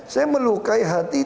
saya melukai hati